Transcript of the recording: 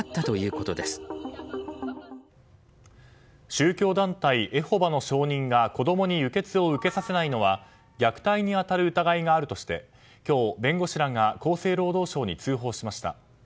宗教団体エホバの証人が子供に輸血を受けさせないのは虐待に当たる疑いがあるとして今日、弁護士らが厚生労働省に通報しました。